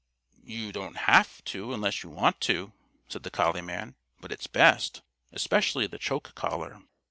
"You don't have to unless you want to," said the collie man, "but it's best especially, the choke collar.